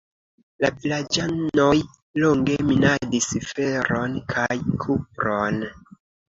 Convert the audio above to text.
La vilaĝanoj longe minadis feron kaj kupron.